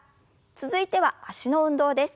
続いては脚の運動です。